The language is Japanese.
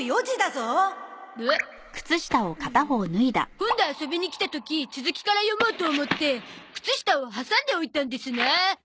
今度遊びに来た時続きから読もうと思って靴下を挟んでおいたんですな。